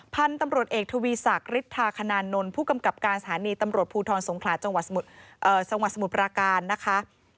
พันธุ์ตำรวจเอกทวีศักดิ์ฤทธาคนานนท์ผู้กำกับการสถานีตำรวจภูทรสงขลาจังหวัดสมุทรปราการนะคะ